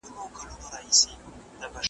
پاچهي د جهان ورکړې نه مړیږي`